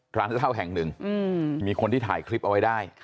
ร้านเหล้าแห่งหนึ่งมีคนที่ถ่ายคลิปเอาไว้ได้